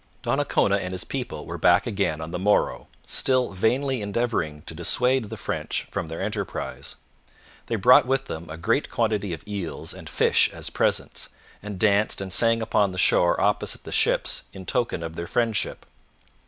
Donnacona and his people were back again on the morrow, still vainly endeavouring to dissuade the French from their enterprise. They brought with them a great quantity of eels and fish as presents, and danced and sang upon the shore opposite the ships in token of their friendship.